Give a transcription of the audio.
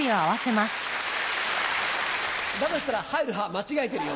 だとしたら入る派間違えてるよ。